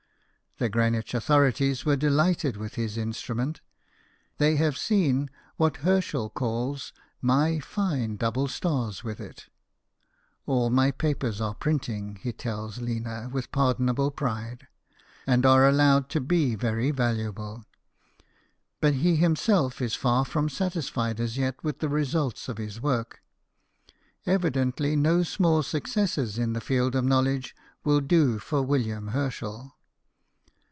The Greenwich authorities were delighted with his instrument ; they have seen what Herschel calls "my fine double stars" with it. "All my papers are printing," he tells Lina with pardonable pride, "and are allowed to be very valuable." But he himself is far from satisfied as yet with the results of his work. Evidently no small successes in the field of knowledge will do for William Herschel.